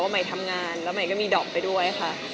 ใหม่ทำงานแล้วใหม่ก็มีดอกไปด้วยค่ะ